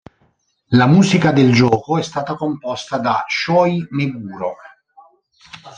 La musica del gioco è stata composta da Shoji Meguro.